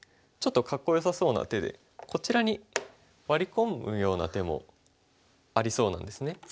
ちょっとかっこよさそうな手でこちらにワリ込むような手もありそうなんですね。